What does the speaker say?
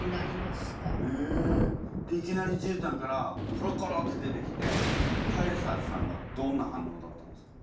でいきなりじゅうたんからコロコロって出てきてカエサルさんはどんな反応だったんですか？